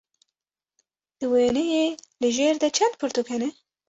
Di wêneyê li jêr de çend pirtûk hene?